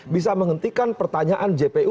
bisa menghentikan pertanyaan jpu